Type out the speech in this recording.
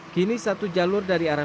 kini satu jalur dari arah